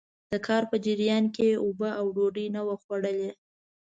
د کار په جريان کې يې اوبه او ډوډۍ نه وو خوړلي.